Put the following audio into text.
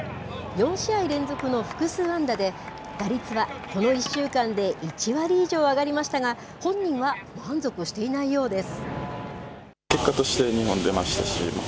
４試合連続の複数安打で、打率はこの１週間で１割以上上がりましたが、本人は満足していないようです。